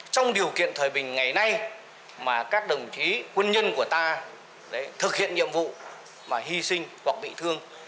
trong điều kiện thời bình ngày nay mà các đồng chí quân nhân của ta thực hiện nhiệm vụ mà hy sinh hoặc bị thương